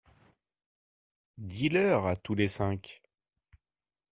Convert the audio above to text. Dis-leur à tous les cinq.